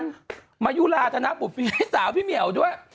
ก็ถึงทหารมายุฬาดนปุบฟินดิ์สาวพี่เหมียวด้วย